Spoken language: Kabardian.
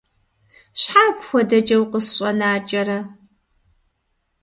Щхьэ апхуэдэкӀэ укъысщӀэнакӀэрэ?